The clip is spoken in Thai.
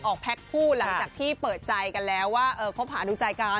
แพ็คคู่หลังจากที่เปิดใจกันแล้วว่าคบหาดูใจกัน